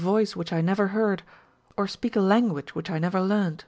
voice which I never heard, or speak a language which I never learnt.